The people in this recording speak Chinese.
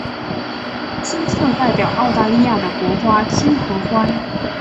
金色代表澳大利亚的国花金合欢。